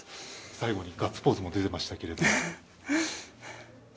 最後にガッツポーズも出ていましたが。